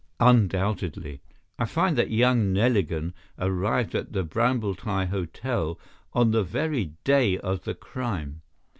"Undoubtedly. I find that young Neligan arrived at the Brambletye Hotel on the very day of the crime.